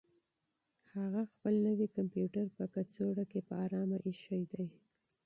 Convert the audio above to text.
هغه خپل نوی کمپیوټر په کڅوړه کې په ارامه اېښی دی.